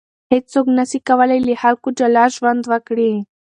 هیڅوک نسي کولای له خلکو جلا ژوند وکړي.